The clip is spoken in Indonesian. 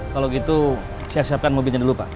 kalau gitu saya siapkan mobilnya dulu pak